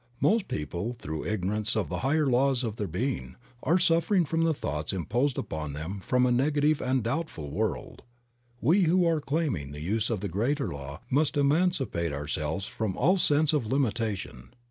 Most people, through ignorance of the higher laws of their 60 Creative Mind. being, are suffering from the thoughts imposed upon them from a negative and doubtful world. We who are claiming the use of the greater law must emancipate ourselves from all sense of limitation.